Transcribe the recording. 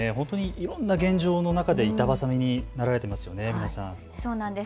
現状の中で板挟みになられていますね、皆さん。